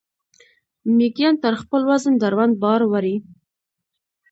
میږیان تر خپل وزن دروند بار وړي